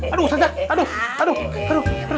aduh ustadz aduh aduh